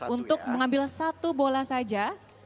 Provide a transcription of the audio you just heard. untuk mengambil satu bola saja